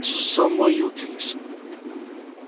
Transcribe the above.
Son moi útiles.